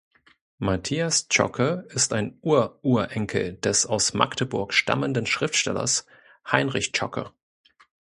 Matthias Zschokke ist ein Urururenkel des aus Magdeburg stammenden Schriftstellers Heinrich Zschokke.